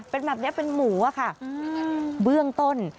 เป็นแบบนี้เป็นหมูอะค่ะเบื้องต้น